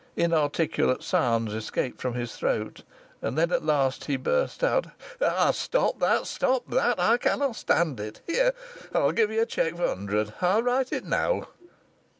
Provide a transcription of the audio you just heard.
Inarticulate sounds escaped from his throat, and then at last he burst out: "Stop that, stop that! I canna stand it. Here, I'll give ye a cheque for a hundred. I'll write it now."